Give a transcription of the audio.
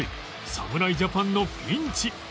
侍ジャパンのピンチ